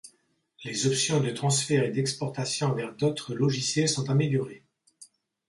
Les options de transfert et d’exportation vers d’autres logiciels sont améliorées.